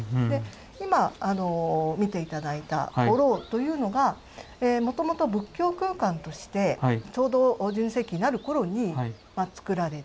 今見て頂いた御廊というのがもともと仏教空間としてちょうど１２世紀になる頃につくられた。